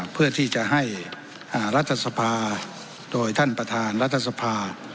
เพื่อที่จะให้รัฐสภาโดยท่านประธานรัฐสภา